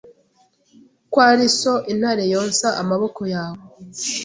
kwari so intare yonsa amaboko yawe